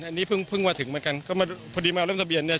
อันนี้เพิ่งเพิ่งมาถึงเหมือนกันก็มาพอดีมาเอาเรื่องทะเบียนเนี่ย